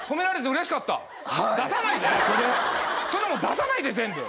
出さないで全部。